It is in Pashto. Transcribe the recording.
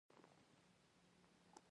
ټاپي پروژه له ترکمنستان پیلیږي